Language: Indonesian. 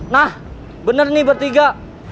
nah bener nih bertiga